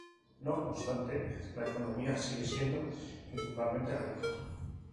No obstante, la economía sigue siendo principalmente agrícola.